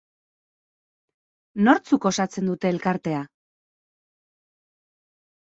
Nortzuk osatzen dute elkartea?